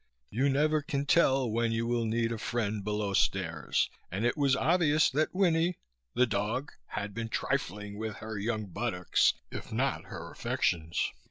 you never can tell when you will need a friend below stairs and it was obvious that Winnie, the dog! had been trifling with her young buttocks if not her affections.